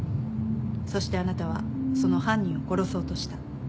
そしてあなたはその犯人を殺そうとした。